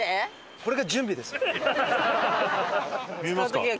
これが準備です。